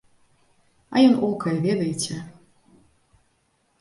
А ён окае, ведаеце.